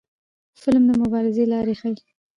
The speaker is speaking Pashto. فلم د مبارزې لارې ښيي